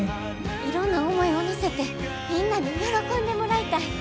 いろんな思いを乗せてみんなに喜んでもらいたい。